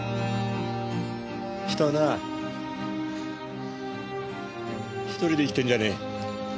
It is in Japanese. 人はなあ独りで生きてるんじゃねえ。